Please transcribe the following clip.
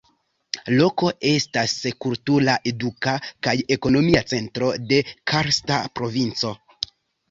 Loko estas kultura, eduka kaj ekonomia centro de Karsta provinco.